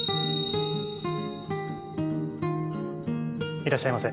いらっしゃいませ。